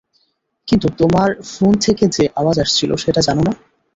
কিন্তু তোমার ফোন থেকে যে আওয়াজ আসছিল সেটা জানো না?